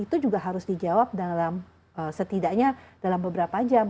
itu juga harus dijawab setidaknya dalam beberapa jam